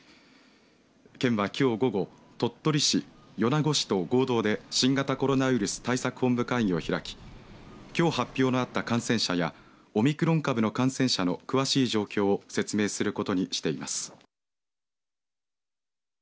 県は、きょう午後鳥取市、米子市と合同で新型コロナウイルス対策本部会議を開ききょう発表のあった感染者やオミクロン株の感染者の詳しい状況を説明することにしています。